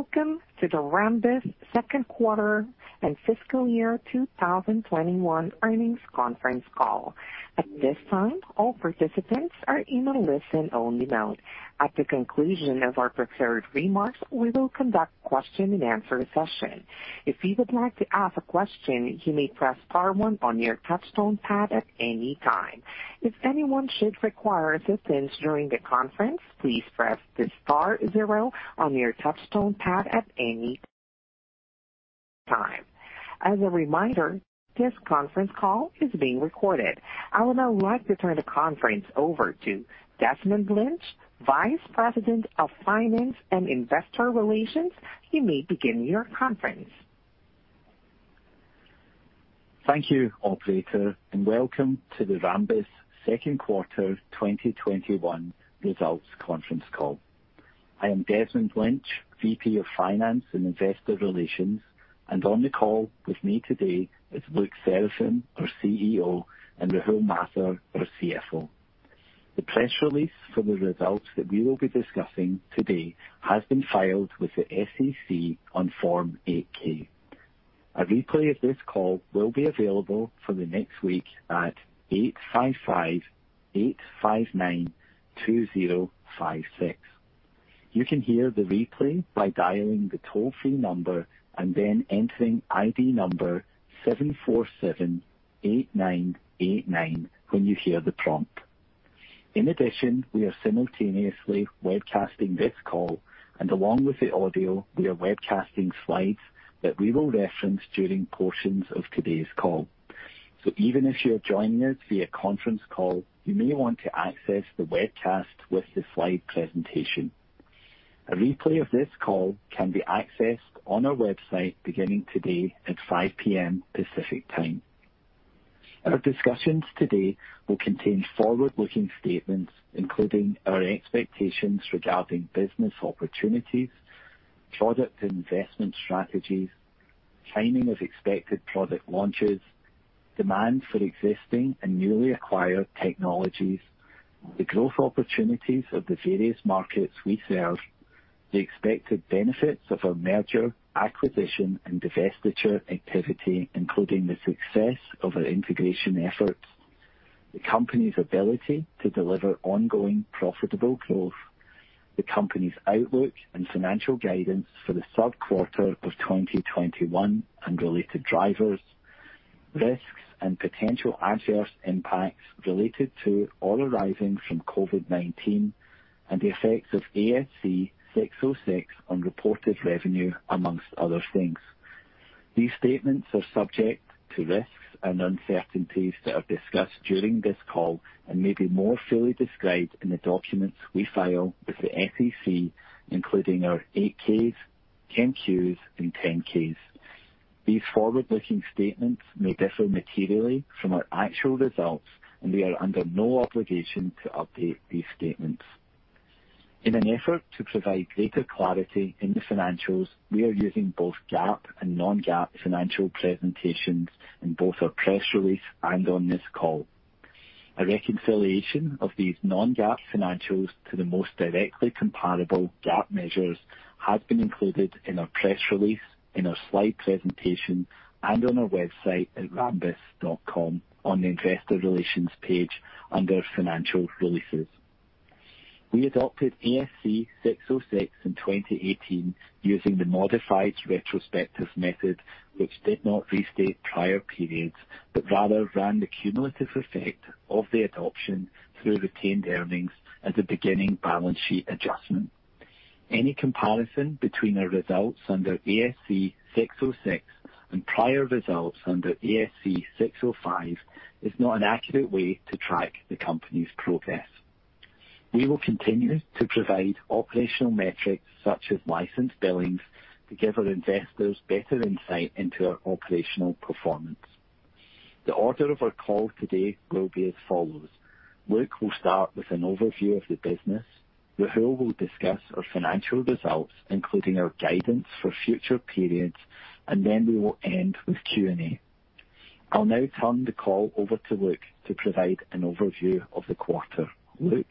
Welcome to the Rambus Second Quarter and Fiscal Year 2021 Earnings Conference Call. At this time, all participants are in listen-only mode. At the conclusion of our prepared remarks, we will conduct Q&A session. If you would like to ask a question, you may press star, one on your Touch-tone pad at any time. If anyone should require assistance during this conference please press zero on your Touch-tone pad at any time. As a reminder, this conference call is being recorded. I would now like to turn the conference over to Desmond Lynch, Vice President of Finance and Investor Relations. You may begin your conference. Thank you, operator. Welcome to the Rambus second quarter 2021 results conference call. I am Desmond Lynch, VP of Finance and Investor Relations. On the call with me today is Luc Seraphin, our CEO, and Rahul Mathur, our CFO. The press release for the results that we will be discussing today has been filed with the SEC on Form 8-K. A replay of this call will be available for the next week at 855-859-2056. You can hear the replay by dialing the toll-free number, then entering ID number 7478989 when you hear the prompt. In addition, we are simultaneously webcasting this call. Along with the audio, we are webcasting slides that we will reference during portions of today's call. Even if you're joining us via conference call, you may want to access the webcast with the slide presentation. A replay of this call can be accessed on our website beginning today at 5:00 P.M. Pacific Time. Our discussions today will contain forward-looking statements, including our expectations regarding business opportunities, product investment strategies, timing of expected product launches, demand for existing and newly acquired technologies, the growth opportunities of the various markets we serve, the expected benefits of our merger, acquisition, and divestiture activity, including the success of our integration efforts, the company's ability to deliver ongoing profitable growth, the company's outlook and financial guidance for the third quarter of 2021 and related drivers, risks and potential adverse impacts related to or arising from COVID-19, and the effects of ASC 606 on reported revenue, amongst other things. These statements are subject to risks and uncertainties that are discussed during this call and may be more fully described in the documents we file with the SEC, including our 8-Ks, 10-Qs, and 10-Ks. These forward-looking statements may differ materially from our actual results, and we are under no obligation to update these statements. In an effort to provide greater clarity in the financials, we are using both GAAP and non-GAAP financial presentations in both our press release and on this call. A reconciliation of these non-GAAP financials to the most directly comparable GAAP measures has been included in our press release, in our slide presentation, and on our website at rambus.com on the investor relations page under financial releases. We adopted ASC 606 in 2018 using the modified retrospective method, which did not restate prior periods, but rather ran the cumulative effect of the adoption through retained earnings as a beginning balance sheet adjustment. Any comparison between our results under ASC 606 and prior results under ASC 605 is not an accurate way to track the company's progress. We will continue to provide operational metrics such as license billings to give our investors better insight into our operational performance. The order of our call today will be as follows. Luc will start with an overview of the business. Rahul will discuss our financial results, including our guidance for future periods, and then we will end with Q&A. I'll now turn the call over to Luc to provide an overview of the quarter. Luc?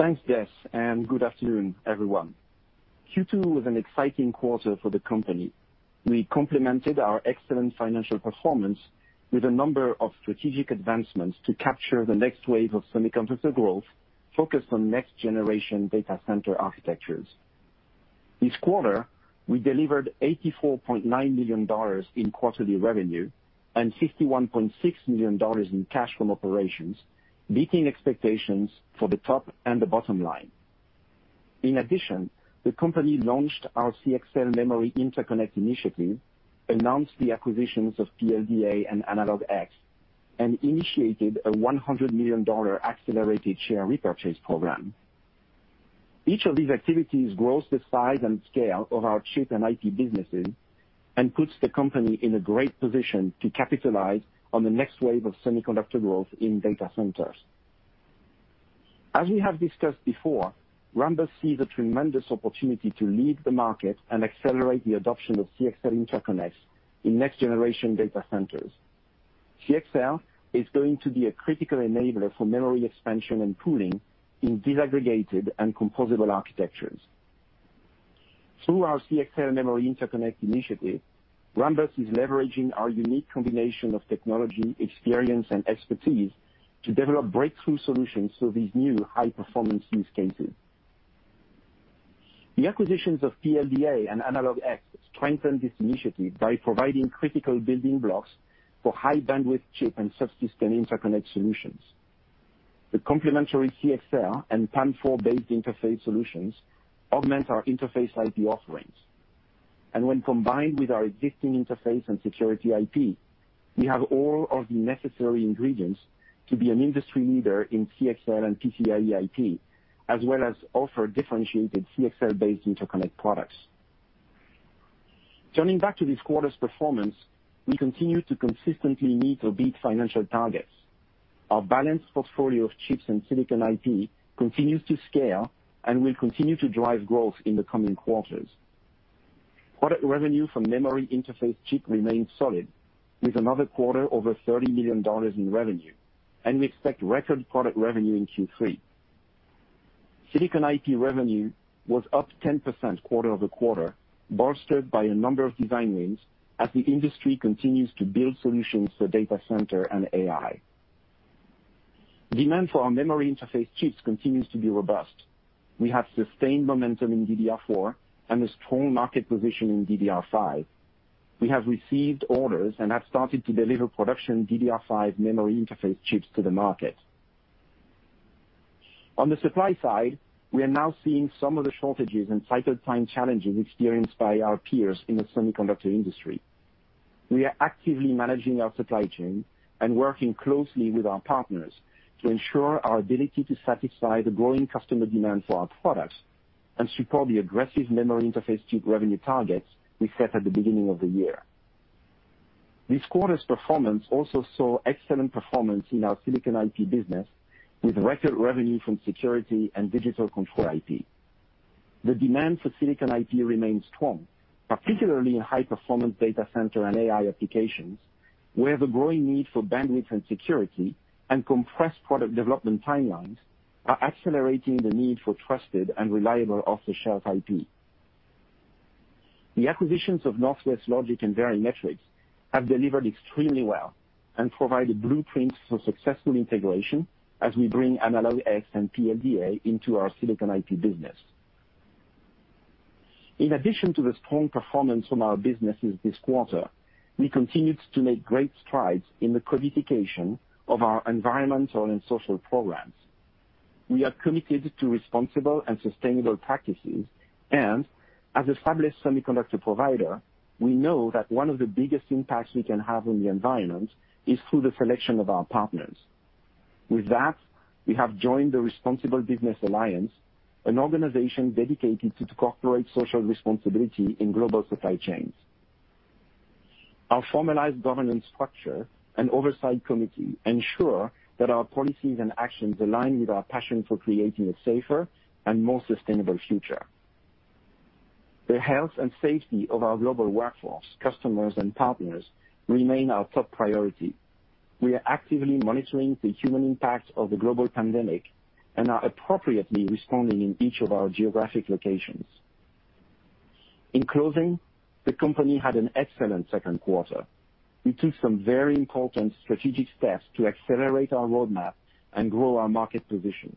Thanks, Des, and good afternoon, everyone. Q2 was an exciting quarter for the company. We complemented our excellent financial performance with a number of strategic advancements to capture the next wave of semiconductor growth focused on next-generation data center architectures. This quarter, we delivered $84.9 million in quarterly revenue and $61.6 million in cash from operations, beating expectations for the top and the bottom line. In addition, the company launched our CXL memory interconnect initiative, announced the acquisitions of PLDA and AnalogX, and initiated a $100 million accelerated share repurchase program. Each of these activities grows the size and scale of our chip and IP businesses and puts the company in a great position to capitalize on the next wave of semiconductor growth in data centers. As we have discussed before, Rambus sees a tremendous opportunity to lead the market and accelerate the adoption of CXL interconnects in next-generation data centers. CXL is going to be a critical enabler for memory expansion and pooling in disaggregated and composable architectures. Through our CXL memory interconnect initiative, Rambus is leveraging our unique combination of technology, experience, and expertise to develop breakthrough solutions for these new high-performance use cases. The acquisitions of PLDA and AnalogX strengthen this initiative by providing critical building blocks for high bandwidth chip and subsystem interconnect solutions. The complementary CXL and PAM4-based interface solutions augment our interface IP offerings. When combined with our existing interface and security IP, we have all of the necessary ingredients to be an industry leader in CXL and PCIe IP, as well as offer differentiated CXL-based interconnect products. Turning back to this quarter's performance, we continue to consistently meet or beat financial targets. Our balanced portfolio of chips and silicon IP continues to scale and will continue to drive growth in the coming quarters. Product revenue from memory interface chip remains solid, with another quarter over $30 million in revenue, and we expect record product revenue in Q3. Silicon IP revenue was up 10% quarter-over-quarter, bolstered by a number of design wins as the industry continues to build solutions for data center and AI. Demand for our memory interface chips continues to be robust. We have sustained momentum in DDR4 and a strong market position in DDR5. We have received orders and have started to deliver production DDR5 memory interface chips to the market. On the supply side, we are now seeing some of the shortages and cycle time challenges experienced by our peers in the semiconductor industry. We are actively managing our supply chain and working closely with our partners to ensure our ability to satisfy the growing customer demand for our products and support the aggressive memory interface chip revenue targets we set at the beginning of the year. This quarter's performance also saw excellent performance in our silicon IP business, with record revenue from security and digital control IP. The demand for silicon IP remains strong, particularly in high-performance data center and AI applications, where the growing need for bandwidth and security and compressed product development timelines are accelerating the need for trusted and reliable off-the-shelf IP. The acquisitions of Northwest Logic and Verimatrix have delivered extremely well and provided blueprints for successful integration as we bring AnalogX and PLDA into our silicon IP business. In addition to the strong performance from our businesses this quarter, we continued to make great strides in the codification of our environmental and social programs. We are committed to responsible and sustainable practices. As established semiconductor provider, we know that one of the biggest impacts we can have on the environment is through the selection of our partners. With that, we have joined the Responsible Business Alliance, an organization dedicated to corporate social responsibility in global supply chains. Our formalized governance structure and oversight committee ensure that our policies and actions align with our passion for creating a safer and more sustainable future. The health and safety of our global workforce, customers, and partners remain our top priority. We are actively monitoring the human impact of the global pandemic and are appropriately responding in each of our geographic locations. In closing, the company had an excellent second quarter. We took some very important strategic steps to accelerate our roadmap and grow our market position.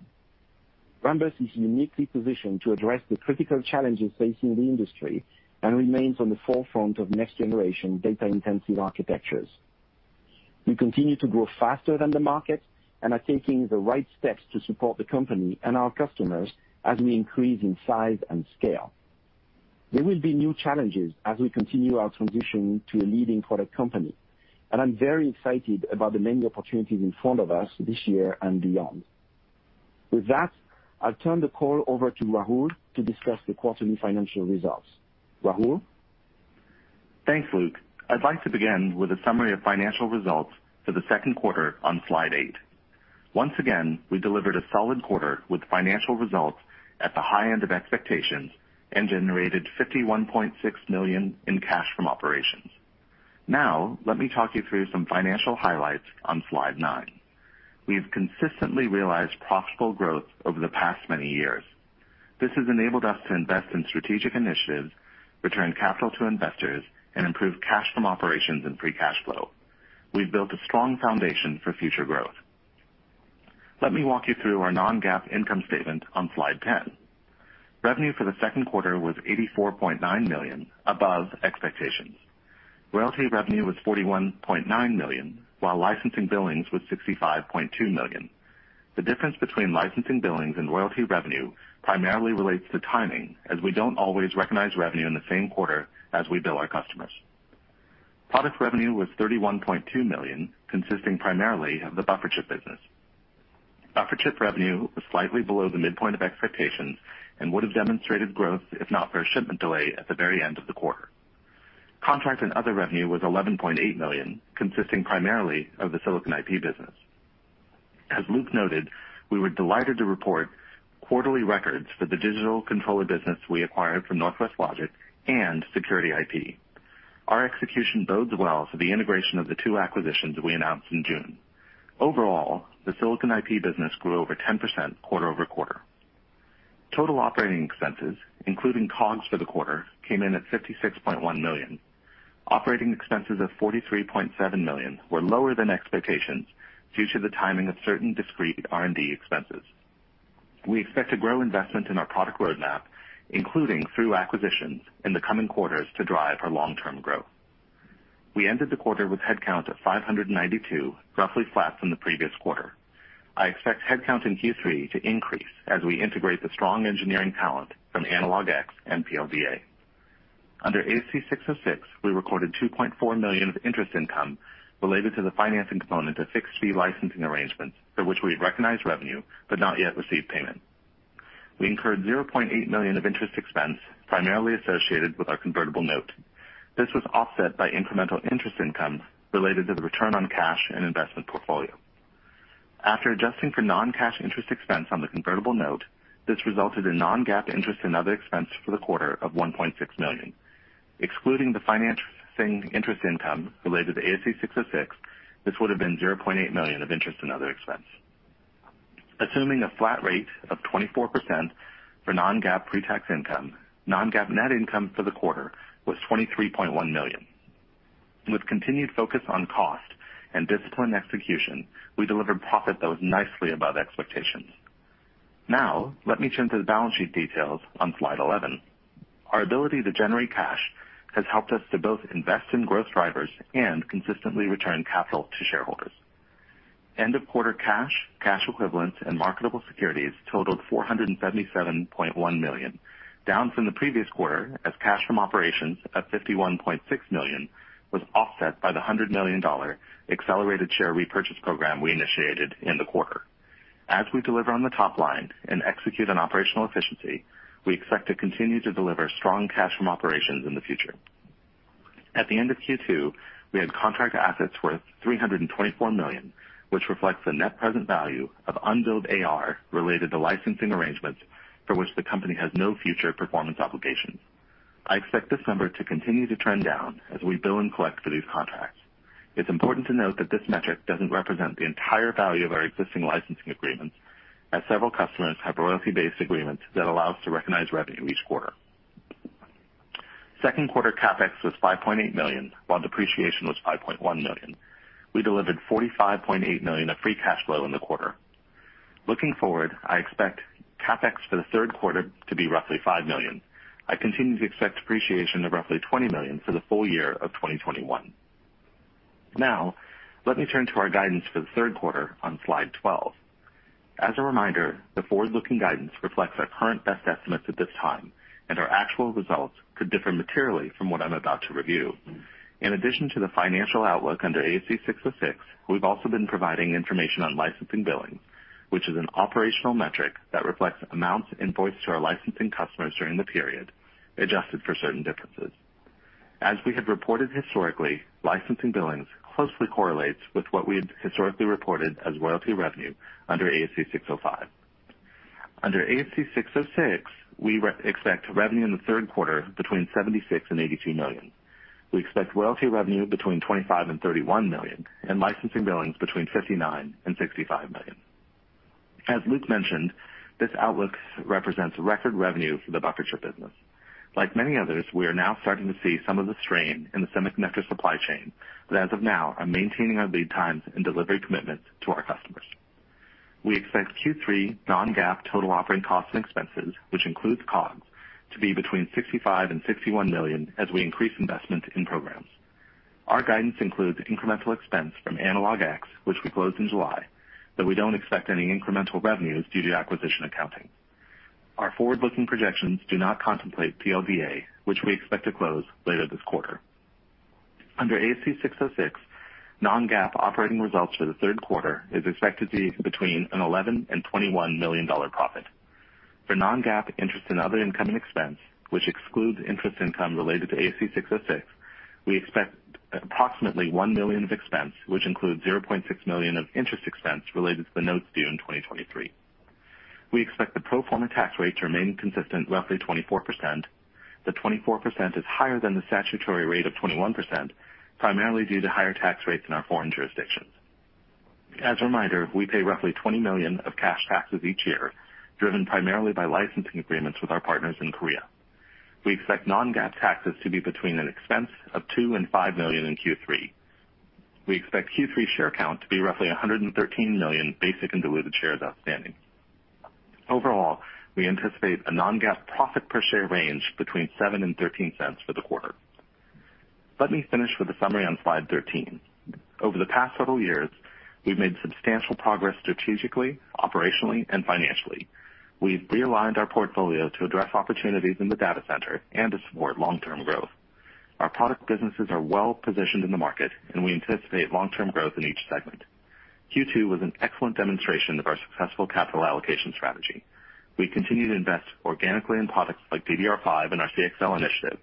Rambus is uniquely positioned to address the critical challenges facing the industry and remains on the forefront of next-generation data-intensive architectures. We continue to grow faster than the market and are taking the right steps to support the company and our customers as we increase in size and scale. There will be new challenges as we continue our transition to a leading product company, and I'm very excited about the many opportunities in front of us this year and beyond. With that, I'll turn the call over to Rahul to discuss the quarterly financial results. Rahul? Thanks, Luc. I'd like to begin with a summary of financial results for the second quarter on slide eight. Once again, we delivered a solid quarter with financial results at the high end of expectations and generated $51.6 million in cash from operations. Let me talk you through some financial highlights on slide nine. We've consistently realized profitable growth over the past many years. This has enabled us to invest in strategic initiatives, return capital to investors, and improve cash from operations and free cash flow. We've built a strong foundation for future growth. Let me walk you through our non-GAAP income statement on slide 10. Revenue for the second quarter was $84.9 million, above expectations. Royalty revenue was $41.9 million, while licensing billings was $65.2 million. The difference between licensing billings and royalty revenue primarily relates to timing, as we don't always recognize revenue in the same quarter as we bill our customers. Product revenue was $31.2 million, consisting primarily of the buffer chip business. Buffer chip revenue was slightly below the midpoint of expectations and would have demonstrated growth if not for a shipment delay at the very end of the quarter. Contract and other revenue was $11.8 million, consisting primarily of the silicon IP business. As Luc noted, we were delighted to report quarterly records for the digital controller business we acquired from Northwest Logic and Security IP. Our execution bodes well for the integration of the two acquisitions that we announced in June. Overall, the Silicon IP business grew over 10% quarter-over-quarter. Total operating expenses, including COGS for the quarter, came in at $56.1 million. Operating expenses of $43.7 million were lower than expectations due to the timing of certain discrete R&D expenses. We expect to grow investment in our product roadmap, including through acquisitions in the coming quarters, to drive our long-term growth. We ended the quarter with headcount of 592, roughly flat from the previous quarter. I expect headcount in Q3 to increase as we integrate the strong engineering talent from AnalogX and PLDA. Under ASC 606, we recorded $2.4 million of interest income related to the financing component of fixed-fee licensing arrangements for which we had recognized revenue but not yet received payment. We incurred $0.8 million of interest expense, primarily associated with our convertible note. This was offset by incremental interest income related to the return on cash and investment portfolio. After adjusting for non-cash interest expense on the convertible note, this resulted in non-GAAP interest and other expense for the quarter of $1.6 million. Excluding the financing interest income related to ASC 606, this would have been $0.8 million of interest and other expense. Assuming a flat rate of 24% for non-GAAP pretax income, non-GAAP net income for the quarter was $23.1 million. With continued focus on cost and disciplined execution, we delivered profit that was nicely above expectations. Let me turn to the balance sheet details on slide 11. Our ability to generate cash has helped us to both invest in growth drivers and consistently return capital to shareholders. End of quarter cash equivalents, and marketable securities totaled $477.1 million, down from the previous quarter as cash from operations of $51.6 million was offset by the $100 million accelerated share repurchase program we initiated in the quarter. As we deliver on the top line and execute on operational efficiency, we expect to continue to deliver strong cash from operations in the future. At the end of Q2, we had contract assets worth $324 million, which reflects the net present value of unbilled AR related to licensing arrangements for which the company has no future performance obligations. I expect this number to continue to trend down as we bill and collect for these contracts. It's important to note that this metric doesn't represent the entire value of our existing licensing agreements, as several customers have royalty-based agreements that allow us to recognize revenue each quarter. Second quarter CapEx was $5.8 million, while depreciation was $5.1 million. We delivered $45.8 million of free cash flow in the quarter. Looking forward, I expect CapEx for the third quarter to be roughly $5 million. I continue to expect depreciation of roughly $20 million for the full year of 2021. Now, let me turn to our guidance for the third quarter on slide 12. As a reminder, the forward-looking guidance reflects our current best estimates at this time, and our actual results could differ materially from what I'm about to review. In addition to the financial outlook under ASC 606, we've also been providing information on licensing billings, which is an operational metric that reflects amounts invoiced to our licensing customers during the period, adjusted for certain differences. As we have reported historically, licensing billings closely correlates with what we had historically reported as royalty revenue under ASC 605. Under ASC 606, we expect revenue in the third quarter between $76 million-$82 million. We expect royalty revenue between $25 million-$31 million, and licensing billings between $59 million-$65 million. As Luc mentioned, this outlook represents record revenue for the buffer chip business. Like many others, we are now starting to see some of the strain in the semiconductor supply chain, but as of now, are maintaining our lead times and delivery commitments to our customers. We expect Q3 non-GAAP total operating costs and expenses, which includes COGS, to be between $65 million and $61 million as we increase investment in programs. Our guidance includes incremental expense from AnalogX, which we closed in July, though we don't expect any incremental revenues due to acquisition accounting. Our forward-looking projections do not contemplate PLDA, which we expect to close later this quarter. Under ASC 606, non-GAAP operating results for the third quarter is expected to be between an $11 million and $21 million profit. For non-GAAP interest and other income and expense, which excludes interest income related to ASC 606, we expect approximately $1 million of expense, which includes $0.6 million of interest expense related to the notes due in 2023. We expect the pro forma tax rate to remain consistent, roughly 24%. The 24% is higher than the statutory rate of 21%, primarily due to higher tax rates in our foreign jurisdictions. As a reminder, we pay roughly $20 million of cash taxes each year, driven primarily by licensing agreements with our partners in Korea. We expect non-GAAP taxes to be between an expense of $2 million and $5 million in Q3. We expect Q3 share count to be roughly 113 million basic and diluted shares outstanding. Overall, we anticipate a non-GAAP profit per share range between $0.07 and $0.13 for the quarter. Let me finish with a summary on slide 13. Over the past several years, we've made substantial progress strategically, operationally, and financially. We've realigned our portfolio to address opportunities in the data center and to support long-term growth. Our product businesses are well positioned in the market, and we anticipate long-term growth in each segment. Q2 was an excellent demonstration of our successful capital allocation strategy. We continue to invest organically in products like DDR5 and our CXL Initiative,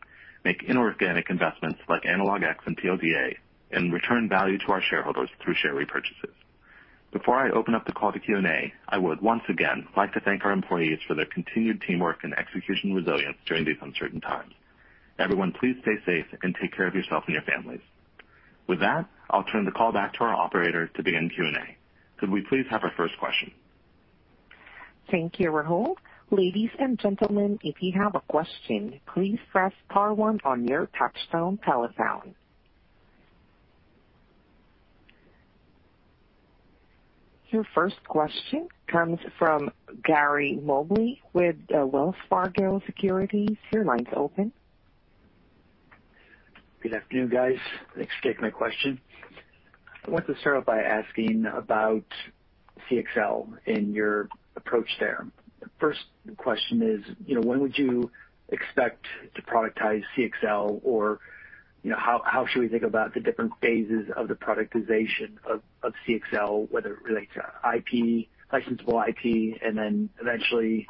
make inorganic investments like AnalogX and PLDA, and return value to our shareholders through share repurchases. Before I open up the call to Q&A, I would once again like to thank our employees for their continued teamwork and execution resilience during these uncertain times. Everyone, please stay safe and take care of yourself and your families. With that, I'll turn the call back to our operator to begin Q&A. Could we please have our first question? Thank you, Rahul. Ladies and gentlemen, if you have a question, please press star one on your touchtone telephone. Your first question comes from Gary Mobley with Wells Fargo Securities. Your line's open. Good afternoon, guys. Thanks for taking my question. I wanted to start off by asking about CXL and your approach there. The first question is, when would you expect to productize CXL? Or, how should we think about the different phases of the productization of CXL, whether it relates to licensable IP and then eventually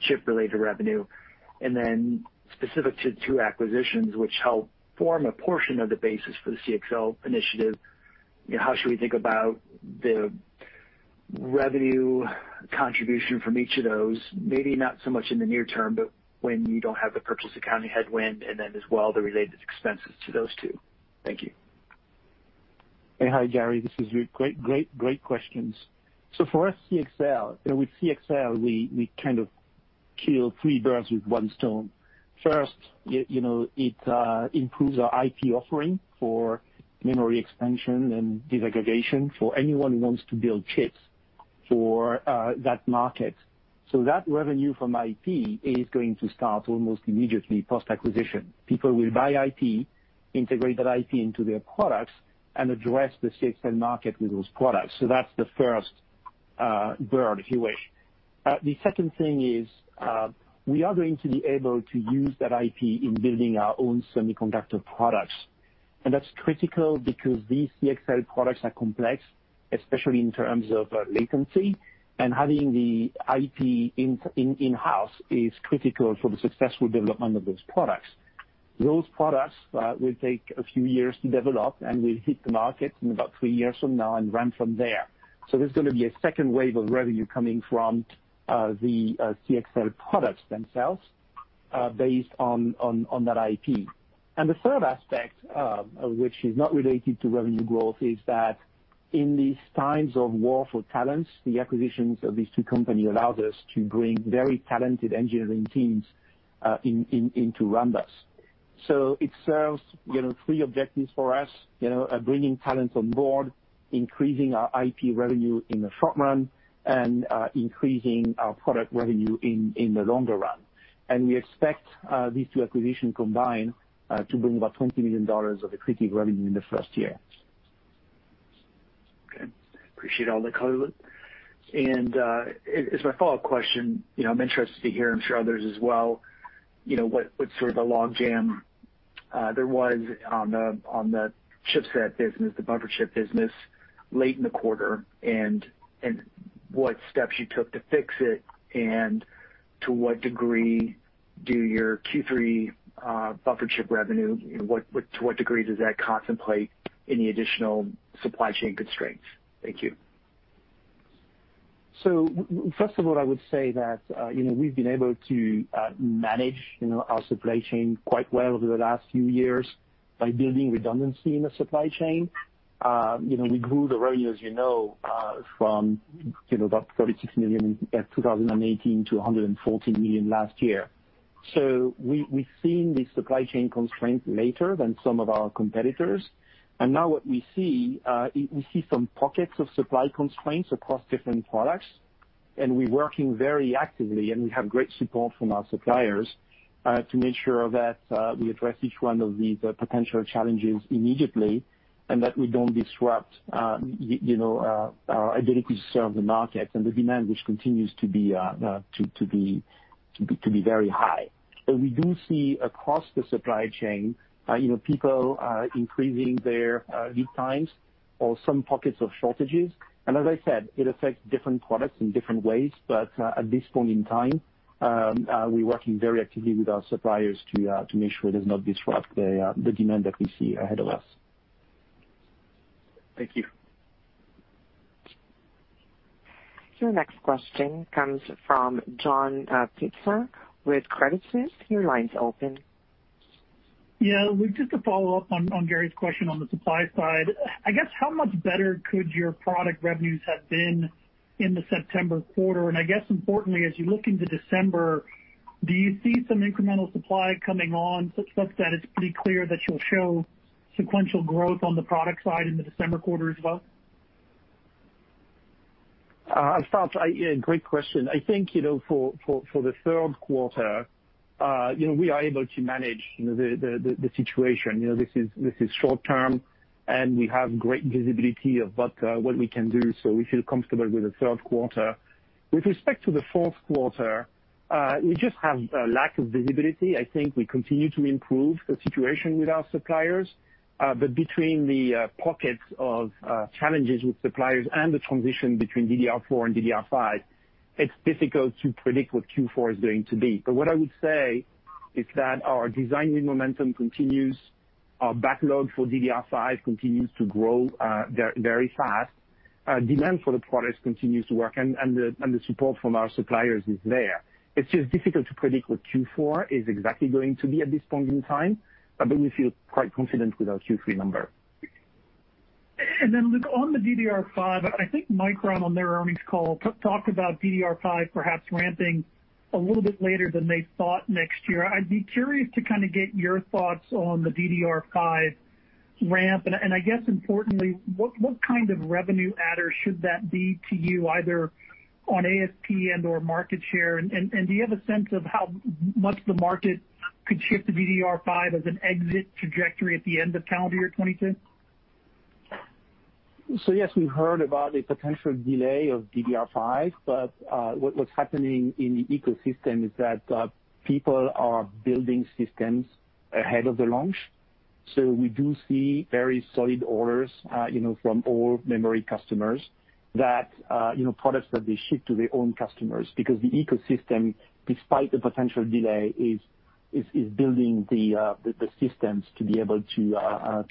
chip-related revenue? Specific to two acquisitions, which help form a portion of the basis for the CXL initiative, how should we think about the revenue contribution from each of those? Maybe not so much in the near term, but when you don't have the purchase accounting headwind, and then as well, the related expenses to those two. Thank you. Hi, Gary. This is Luc. Great questions. For CXL, we kind of kill three birds with one stone. First, it improves our IP offering for memory expansion and disaggregation for anyone who wants to build chips for that market. That revenue from IP is going to start almost immediately post-acquisition. People will buy IP, integrate that IP into their products, and address the CXL market with those products. That's the first bird, if you wish. The second thing is, we are going to be able to use that IP in building our own semiconductor products. That's critical because these CXL products are complex, especially in terms of latency, and having the IP in-house is critical for the successful development of those products. Those products will take a few years to develop, and we'll hit the market in about three years from now and ramp from there. There's going to be a second wave of revenue coming from the CXL products themselves, based on that IP. The third aspect, which is not related to revenue growth, is that in these times of war for talents, the acquisitions of these two companies allows us to bring very talented engineering teams into Rambus. It serves three objectives for us, bringing talents on board, increasing our IP revenue in the short run, and increasing our product revenue in the longer run. We expect these two acquisitions combined to bring about $20 million of accretive revenue in the first year. Okay. Appreciate all the color. As my follow-up question, I'm interested to hear, I'm sure others as well, what sort of the log jam there was on the chipset business, the buffer chip business, late in the quarter, and what steps you took to fix it, and to what degree does your Q3 buffer chip revenue contemplate any additional supply chain constraints? Thank you. First of all, I would say that we've been able to manage our supply chain quite well over the last few years by building redundancy in the supply chain. We grew the revenue, as you know, from about $36 million in 2018 to $140 million last year. We've seen the supply chain constraints later than some of our competitors. Now what we see, we see some pockets of supply constraints across different products, and we're working very actively, and we have great support from our suppliers, to make sure that we address each one of these potential challenges immediately, and that we don't disrupt our ability to serve the market and the demand, which continues to be very high. We do see across the supply chain, people are increasing their lead times or some pockets of shortages. As I said, it affects different products in different ways. At this point in time, we're working very actively with our suppliers to make sure it does not disrupt the demand that we see ahead of us. Thank you. Your next question comes from John Pitzer with Credit Suisse. Your line's open. Yeah. Luc, just to follow up on Gary's question on the supply side, I guess how much better could your product revenues have been in the September quarter? I guess importantly, as you look into December, do you see some incremental supply coming on such that it's pretty clear that you'll show sequential growth on the product side in the December quarter as well? I'll start. Yeah, great question. I think for the third quarter, we are able to manage the situation. This is short-term, and we have great visibility of what we can do, so we feel comfortable with the third quarter. With respect to the fourth quarter, we just have a lack of visibility. I think we continue to improve the situation with our suppliers. Between the pockets of challenges with suppliers and the transition between DDR4 and DDR5, it's difficult to predict what Q4 is going to be. What I would say is that our designing momentum continues. Our backlog for DDR5 continues to grow very fast. Demand for the products continues to work, and the support from our suppliers is there. It's just difficult to predict what Q4 is exactly going to be at this point in time, but we feel quite confident with our Q3 number. Luc, on the DDR5, I think Micron on their earnings call talked about DDR5 perhaps ramping a little bit later than they thought next year. I would be curious to get your thoughts on the DDR5 ramp, and I guess importantly, what kind of revenue adder should that be to you, either on ASP and/or market share? Do you have a sense of how much the market could shift to DDR5 as an exit trajectory at the end of calendar year 2026? Yes, we heard about the potential delay of DDR5, what's happening in the ecosystem is that people are building systems ahead of the launch. We do see very solid orders from all memory customers that, products that they ship to their own customers, because the ecosystem, despite the potential delay, is building the systems to be able to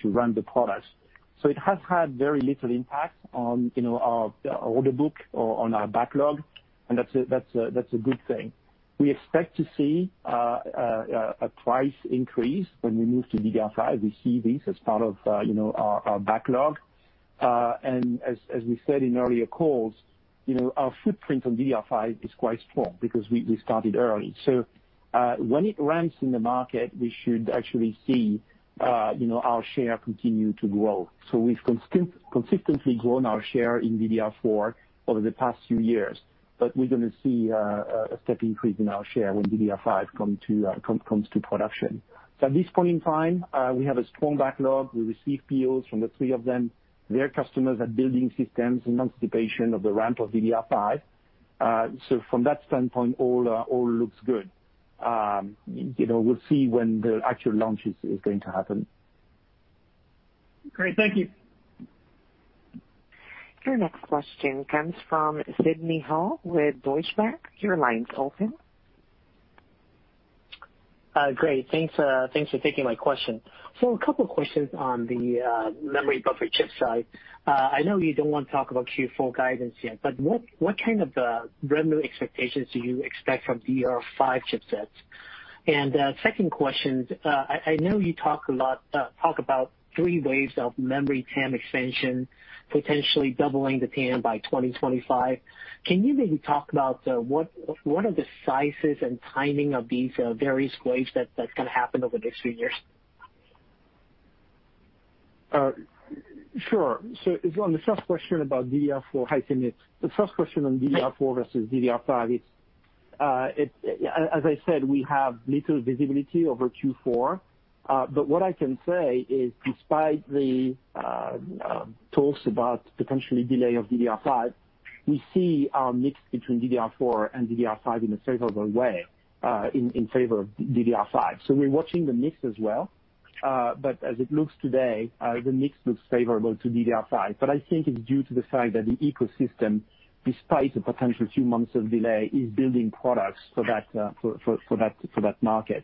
run the products. It has had very little impact on our order book or on our backlog, and that's a good thing. We expect to see a price increase when we move to DDR5. We see this as part of our backlog. As we said in earlier calls, our footprint on DDR5 is quite strong because we started early. When it ramps in the market, we should actually see our share continue to grow. We've consistently grown our share in DDR4 over the past few years, but we're going to see a step increase in our share when DDR5 comes to production. At this point in time, we have a strong backlog. We receive POs from the three of them. Their customers are building systems in anticipation of the ramp of DDR5. From that standpoint, all looks good. We'll see when the actual launch is going to happen. Great. Thank you. Your next question comes from Sidney Ho with Deutsche Bank. Your line's open. Great, thanks for taking my question. Two questions on the memory buffer chip side. I know you don't want to talk about Q4 guidance yet, but what kind of revenue expectations do you expect from DDR5 chipsets? Second question, I know you talk about three waves of memory TAM extension, potentially doubling the TAM by 2025. Can you maybe talk about what are the sizes and timing of these various waves that's going to happen over the next few years? Sure. On the first question about DDR4 high mix. The first question on DDR4 versus DDR5, as I said, we have little visibility over Q4. What I can say is, despite the talks about potential delay of DDR5, we see our mix between DDR4 and DDR5 in a favorable way, in favor of DDR5. We're watching the mix as well. As it looks today, the mix looks favorable to DDR5. I think it's due to the fact that the ecosystem, despite the potential few months of delay, is building products for that market.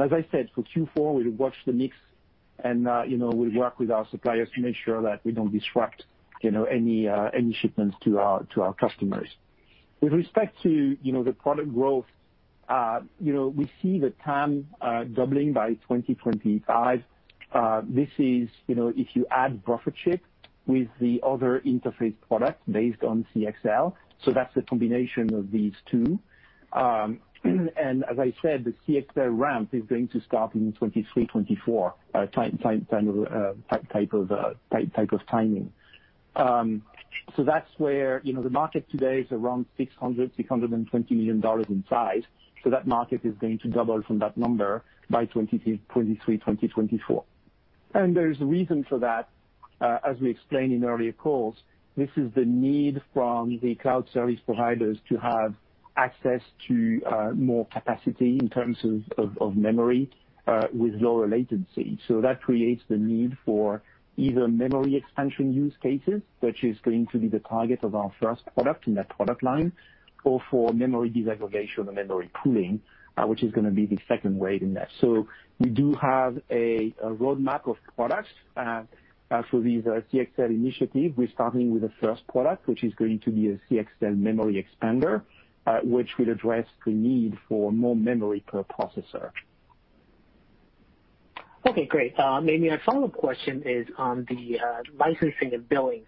As I said, for Q4, we'll watch the mix and we'll work with our suppliers to make sure that we don't disrupt any shipments to our customers. With respect to the product growth, we see the TAM doubling by 2025. This is, if you add buffer chip with the other interface product based on CXL, so that's the combination of these two. As I said, the CXL ramp is going to start in 2023, 2024 type of timing. That's where the market today is around $600 million, $620 million in size. That market is going to double from that number by 2023, 2024. There is a reason for that, as we explained in earlier calls. This is the need from the cloud service providers to have access to more capacity in terms of memory, with low latency. That creates the need for either memory expansion use cases, which is going to be the target of our first product in that product line, or for memory disaggregation or memory pooling, which is going to be the second wave in that. We do have a roadmap of products for this CXL initiative. We're starting with the first product, which is going to be a CXL memory expander, which will address the need for more memory per processor. Okay, great. Maybe my follow-up question is on the licensing and billings.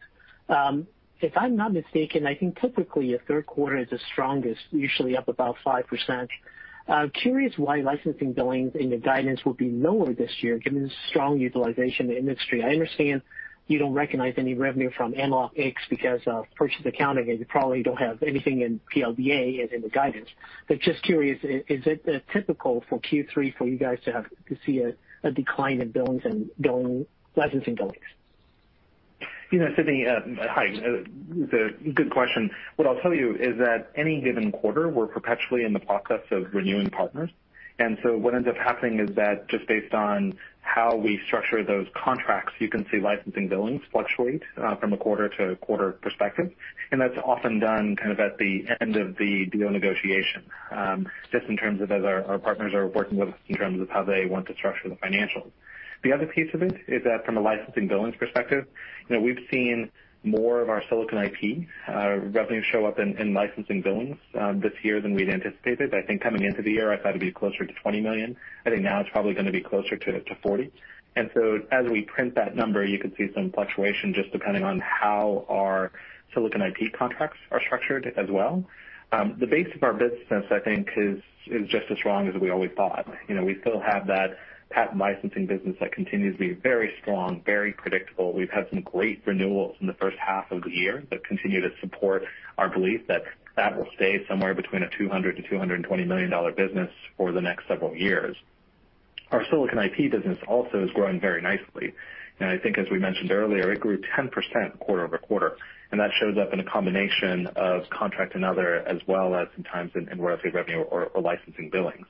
If I'm not mistaken, I think typically a third quarter is the strongest, usually up about 5%. Curious why licensing billings in your guidance will be lower this year given the strong utilization in the industry. I understand you don't recognize any revenue from AnalogX because of purchase accounting, and you probably don't have anything in PLDA and in the guidance. Just curious, is it typical for Q3 for you guys to see a decline in licensing billings? Sidney, hi. It's a good question. What I'll tell you is that any given quarter, we're perpetually in the process of renewing partners. What ends up happening is that just based on how we structure those contracts, you can see licensing billings fluctuate from a quarter to quarter perspective. That's often done kind of at the end of the deal negotiation, just in terms of as our partners are working with us in terms of how they want to structure the financials. The other piece of it is that from a licensing billings perspective, we've seen more of our silicon IP revenue show up in licensing billings this year than we'd anticipated. I think coming into the year, I thought it'd be closer to $20 million. I think now it's probably going to be closer to $40 million. As we print that number, you could see some fluctuation just depending on how our silicon IP contracts are structured as well. The base of our business, I think, is just as strong as we always thought. We still have that patent licensing business that continues to be very strong, very predictable. We've had some great renewals in the first half of the year that continue to support our belief that that will stay somewhere between a $200 million-$220 million business for the next several years. Our silicon IP business also is growing very nicely. And I think as we mentioned earlier, it grew 10% quarter-over-quarter, and that shows up in a combination of contract and other as well as sometimes in royalty revenue or licensing billings.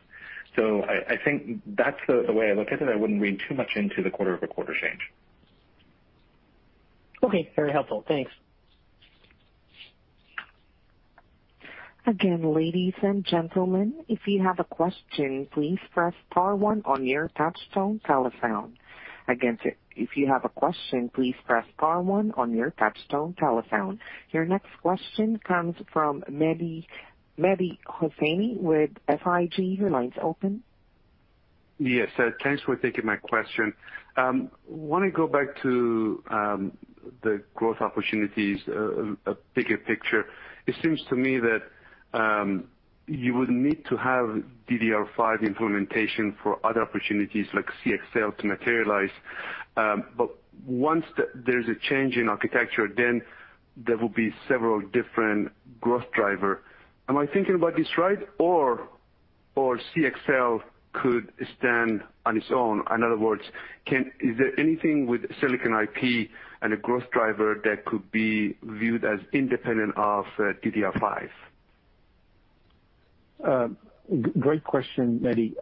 I think that's the way I look at it. I wouldn't read too much into the quarter-over-quarter change. Okay. Very helpful. Thanks. Again, ladies and gentlemen, if you have a question, please press star one on your touchtone telephone. Again, if you have a question, please press star one on your touchtone telephone. Your next question comes from Mehdi Hosseini with SIG. Your line's open. Yes. Thanks for taking my question. I want to go back to the growth opportunities, a bigger picture. It seems to me that you would need to have DDR5 implementation for other opportunities like CXL to materialize. Once there's a change in architecture, then there will be several different growth driver. Am I thinking about this right? CXL could stand on its own. In other words, is there anything with silicon IP and a growth driver that could be viewed as independent of DDR5? Great question, Mehdi.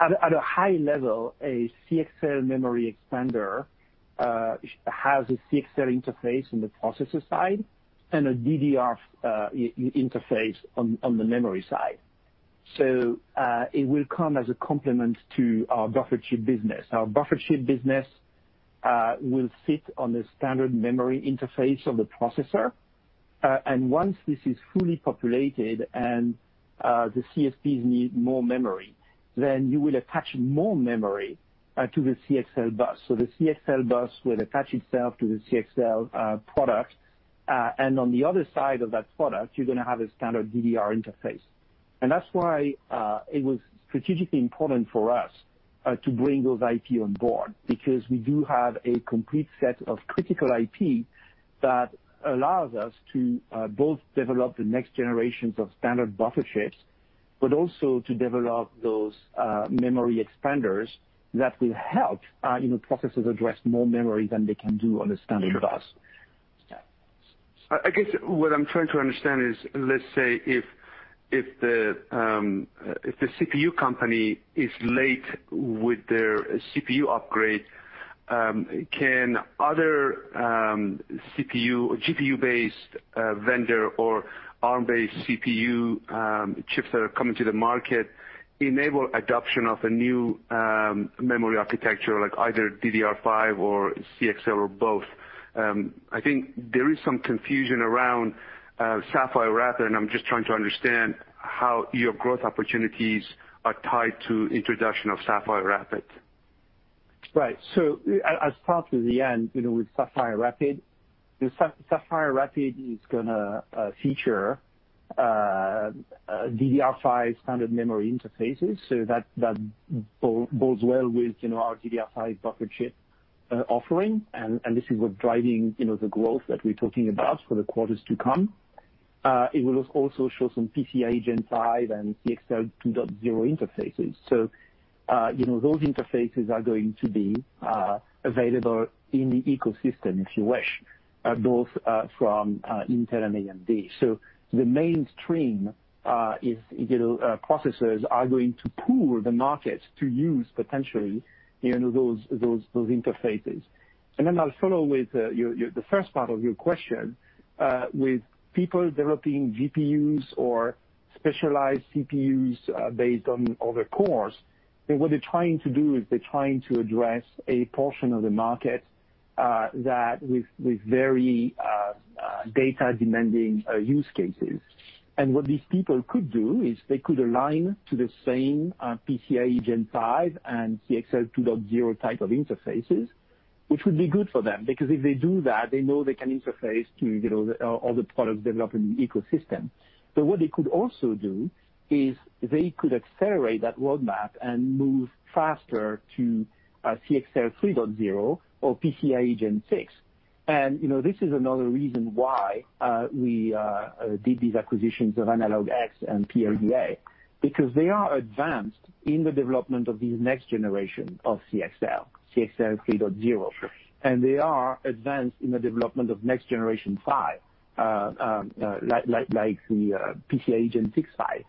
At a high level, a CXL memory expander has a CXL interface on the processor side and a DDR interface on the memory side. It will come as a complement to our buffer chip business. Our buffer chip business will sit on the standard memory interface of the processor. Once this is fully populated and the CSPs need more memory, you will attach more memory to the CXL bus. The CXL bus will attach itself to the CXL product. On the other side of that product, you're going to have a standard DDR interface. That's why it was strategically important for us to bring those IP on board because we do have a complete set of critical IP that allows us to both develop the next generations of standard buffer chips, but also to develop those memory expanders that will help processors address more memory than they can do on a standard bus. I guess what I'm trying to understand is, let's say if the CPU company is late with their CPU upgrade, can other GPU-based vendor or ARM-based CPU chips that are coming to the market enable adoption of a new memory architecture like either DDR5 or CXL or both? I think there is some confusion around Sapphire Rapids. I'm just trying to understand how your growth opportunities are tied to introduction of Sapphire Rapids. Right. I'll start with the end. With Sapphire Rapids, Sapphire Rapids is going to feature DDR5 standard memory interfaces, so that bodes well with our DDR5 buffer chip offering. This is what's driving the growth that we're talking about for the quarters to come. It will also show some PCIe Gen 5 and CXL 2.0 interfaces. Those interfaces are going to be available in the ecosystem, if you wish, both from Intel and AMD. The mainstream processors are going to pool the market to use potentially those interfaces. I'll follow with the first part of your question. With people developing GPUs or specialized CPUs based on other cores, what they're trying to do is they're trying to address a portion of the market that with very data demanding use cases. What these people could do is they could align to the same PCIe Gen 5 and CXL 2.0 type of interfaces, which would be good for them, because if they do that, they know they can interface to all the products developed in the ecosystem. What they could also do is they could accelerate that roadmap and move faster to CXL 3.0 or PCIe Gen 6. This is another reason why we did these acquisitions of AnalogX and PLDA. Because they are advanced in the development of the next generation of CXL 3.0. They are advanced in the development of next generation five, like the PCIe Gen 6 PHY.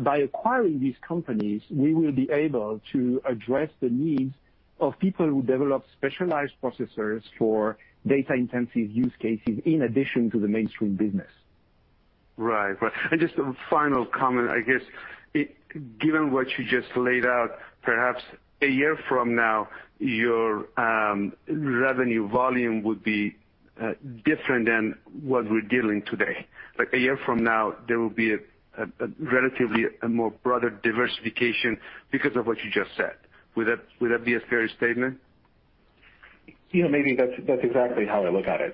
By acquiring these companies, we will be able to address the needs of people who develop specialized processors for data-intensive use cases in addition to the mainstream business. Right. Just a final comment, I guess, given what you just laid out, perhaps a year from now, your revenue volume would be different than what we're dealing today. Like a year from now, there will be a relatively more broader diversification because of what you just said. Would that be a fair statement? Maybe that's exactly how I look at it.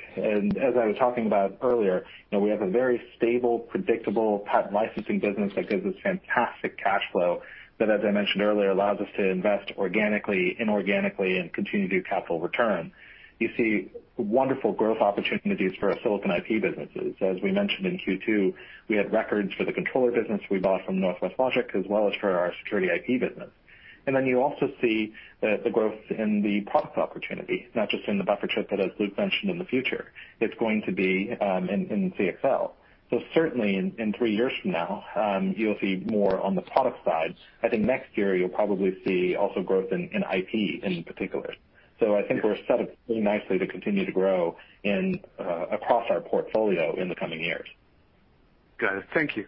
As I was talking about earlier, we have a very stable, predictable patent licensing business that gives us fantastic cash flow that, as I mentioned earlier, allows us to invest organically, inorganically, and continue to do capital return. You see wonderful growth opportunities for our silicon IP businesses. As we mentioned in Q2, we had records for the controller business we bought from Northwest Logic as well as for our security IP business. Then you also see the growth in the product opportunity, not just in the buffer chip that, as Luc mentioned, in the future it's going to be in CXL. Certainly in three years from now, you'll see more on the product side. I think next year you'll probably see also growth in IP in particular. I think we're set up pretty nicely to continue to grow across our portfolio in the coming years. Got it. Thank you.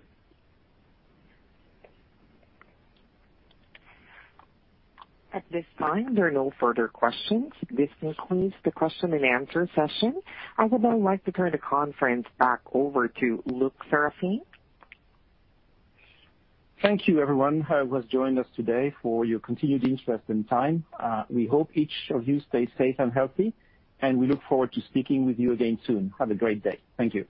At this time, there are no further questions. This concludes the question and answer session. I would now like to turn the conference back over to Luc Seraphin. Thank you everyone who has joined us today for your continued interest and time. We hope each of you stay safe and healthy, and we look forward to speaking with you again soon. Have a great day. Thank you.